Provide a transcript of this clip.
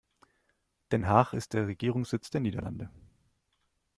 Den Haag ist der Regierungssitz der Niederlande.